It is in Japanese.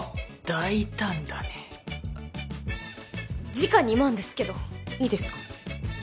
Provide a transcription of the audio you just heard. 大胆だね時価２万ですけどいいですか？